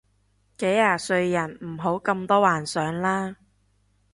幾廿歲人唔好咁多幻想啦